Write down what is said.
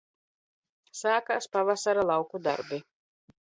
Sākās pavasara lauku darbi